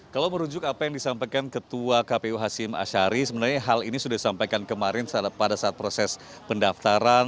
kalau merujuk apa yang disampaikan ketua kpu hashim ashari sebenarnya hal ini sudah disampaikan kemarin pada saat proses pendaftaran